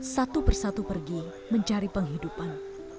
satu persatu pergi mencari penghidupan